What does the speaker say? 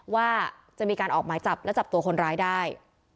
ว่าจะมีการออกหมายจับและจับตัวคนร้ายได้